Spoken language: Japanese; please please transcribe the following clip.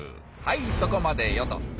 はいそこまでよ！と。